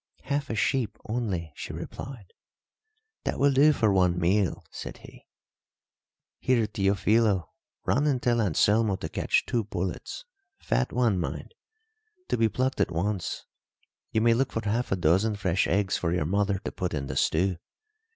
"Half a sheep only," she replied. "That will do for one meal," said he. "Here, Teofilo, run and tell Anselmo to catch two pullets fat ones, mind. To be plucked at once. You may look for half a dozen fresh eggs for your mother to put in the stew.